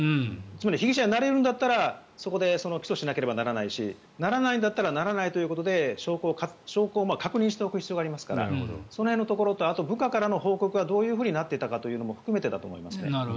つまり被疑者になり得るんだったらそこで起訴しなければならないしならないんだったらならないということで証拠を確認しておく必要がありますから、そこのところとあとは部下からの報告はどうなっていたのかも含めてだと思います。